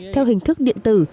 theo hình thức điện tử